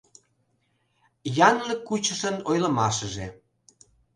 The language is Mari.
ЯНЛЫК КУЧЫШЫН ОЙЛЫМАШЫЖЕ